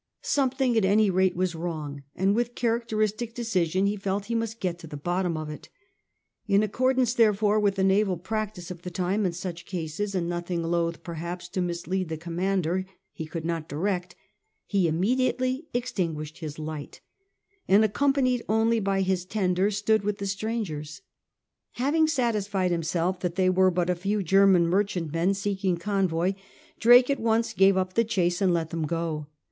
Something at any rate was wrong, and* with characteristic decision he felt he must get to the bottom of it In accordance, therefore, with the naval practice of the time in such cases, and nothing loath perhaps to mislead the commander he could not direct, he im mediately extinguished his lights and accompanied only by his tender, stood with the strangers. Having satisfied himself they were but a few German merchant men seeking convoy, Drake at once gave up the chase and let them go.